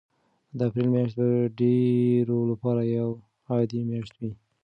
د اپریل میاشت به د ډېرو لپاره یوه عادي میاشت وي.